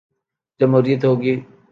جمہوریت ہو گی۔